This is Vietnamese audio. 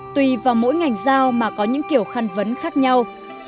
tùy vào mỗi ngành giao mà có những kiểu khăn vấn khác nhau